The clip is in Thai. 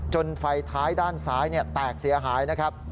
ไฟท้ายด้านซ้ายแตกเสียหายนะครับ